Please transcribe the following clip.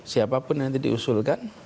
siapapun yang diusulkan